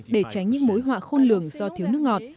để tránh những mối họa khôn lường do thiếu nước ngọt